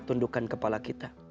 tundukkan kepala kita